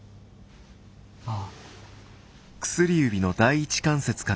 ああ。